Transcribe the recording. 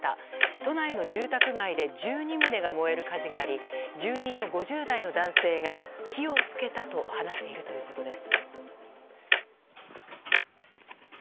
都内の住宅街で１２棟が燃える火事があり住人の５０代の男性が火を付けたと話しているということです。